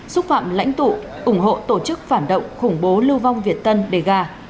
xúc phạm lãnh tụ ủng hộ tổ chức phản động khủng bố lưu vong việt tân đề gà